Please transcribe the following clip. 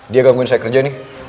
dia gangguin saya kerja nih